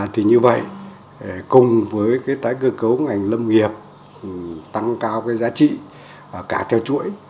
thì như vậy cùng với cái tái cơ cấu ngành lâm nghiệp tăng cao cái giá trị cả theo chuỗi